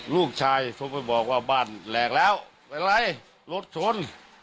ลูกชายโทรไปบอกว่าบ้านแหลกแล้วเป็นไรรถชน